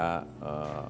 tentu ke tantangan kita